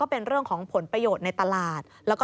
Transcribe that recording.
เป็นเรื่องของผลประโยชน์ในตลาด